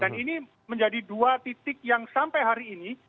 dan ini menjadi dua titik yang sampai hari ini